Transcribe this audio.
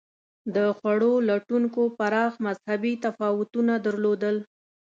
د خوړو لټونکو پراخ مذهبي تفاوتونه درلودل.